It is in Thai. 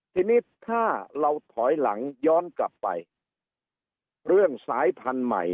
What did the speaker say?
ทีนี้ถ้าเราถอยหลังย้อนกลับไปเรื่องสายพันธุ์ใหม่